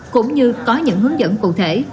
cũng như có những hướng dẫn cụ thể